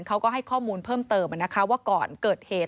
เขาก็ให้ข้อมูลเพิ่มเติมว่าก่อนเกิดเหตุ